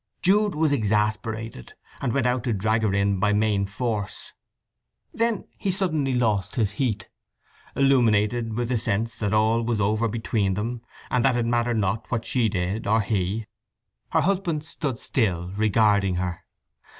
Jude was exasperated, and went out to drag her in by main force. Then he suddenly lost his heat. Illuminated with the sense that all was over between them, and that it mattered not what she did, or he, her husband stood still, regarding her.